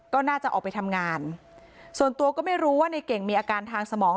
ก็น่าจะออกไปทำงานส่วนตัวก็ไม่รู้ว่าในเก่งมีอาการทางสมอง